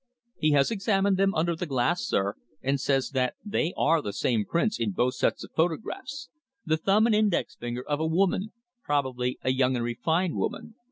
"He has examined them under the glass, sir, and says that they are the same prints in both sets of photographs the thumb and index finger of a woman probably a young and refined woman.